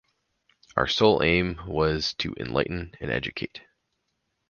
Our sole aim was to enlighten and educate.